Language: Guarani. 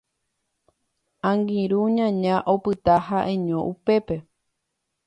Angirũ ñaña opyta ha'eño upépe